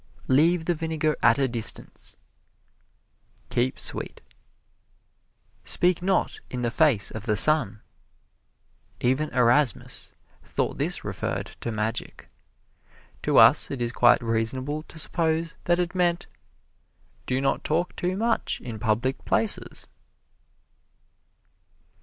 "Leave the vinegar at a distance" keep sweet. "Speak not in the face of the sun" even Erasmus thought this referred to magic. To us it is quite reasonable to suppose that it meant, "do not talk too much in public places."